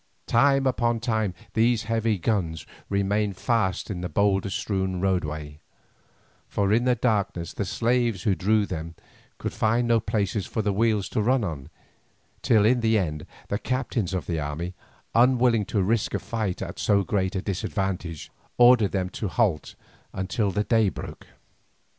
Time upon time these heavy guns remained fast in the boulder strewn roadway, for in the darkness the slaves who drew them could find no places for the wheels to run on, till in the end the captains of the army, unwilling to risk a fight at so great a disadvantage, ordered them to halt until the day broke.